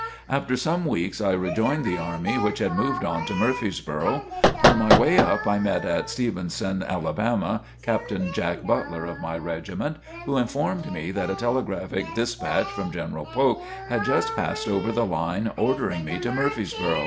After some weeks I rejoined the army which had moved on to Murfreesboro. On my way up, I met at Stevenson, Alabama, Captain Jack Butler of my regiment, who informed me that a telegraphic dispatch from General Polk had just passed over the line ordering me to Murfreesboro.